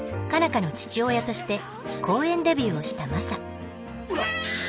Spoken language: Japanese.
花の父親として公園デビューをしたマサほら！